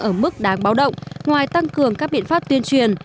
ở mức đáng báo động ngoài tăng cường các biện pháp tuyên truyền